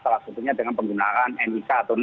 salah satunya dengan penggunaan nisa atau